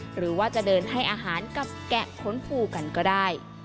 หรือว่าจะเดินให้อาหารกับแกะค้นฟูกันก็ได้